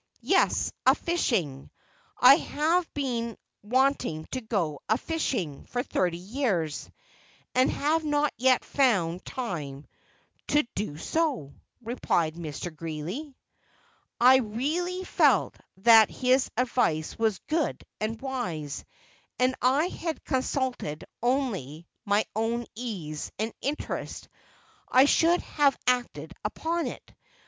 "Yes, a fishing; I have been wanting to go a fishing for thirty years, and have not yet found time to do so," replied Mr. Greeley. I really felt that his advice was good and wise, and had I consulted only my own ease and interest I should have acted upon it.